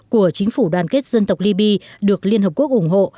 của chính phủ đoàn kết dân tộc liby được liên hợp quốc ủng hộ